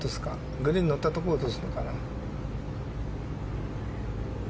グリーンに乗ったところに落とすのかな。